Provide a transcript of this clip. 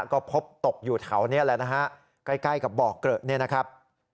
ก็พบตกอยู่เถาเนี่ยแหละนะฮะใกล้ใกล้กับเบาะเกรอะเนี่ยนะครับ